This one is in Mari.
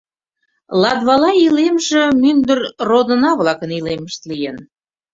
Латвала илемже мӱндыр родына-влакын илемышт лийын.